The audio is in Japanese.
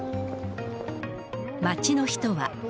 街の人は。